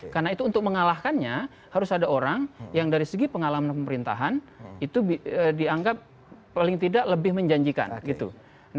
karena itu untuk mengalahkannya harus ada orang yang dari segi pengalaman pemerintahan itu dianggap paling tidak lebih menjanjikan